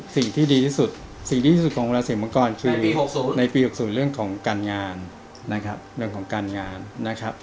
สิ่งที่ดีที่สุดของราศีมงค์กรคือในปี๖๐เรื่องของการงานนะครับ